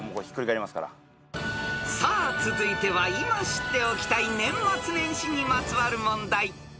［さあ続いては今知っておきたい年末年始にまつわる問題］